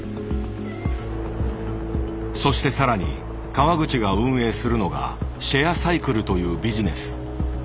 そして更に川口が運営するのが「シェアサイクル」というビジネス。